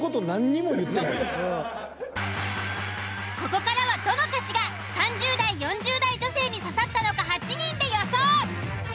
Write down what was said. ここからはどの歌詞が３０代４０代女性に刺さったのか８人で予想。